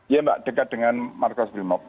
iya mbak dekat dengan markas brimop